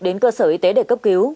đến cơ sở y tế để cấp cứu